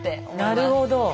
なるほど。